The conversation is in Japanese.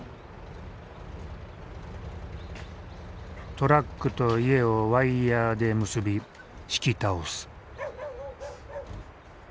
トラックと家をワイヤーで結び引き倒す。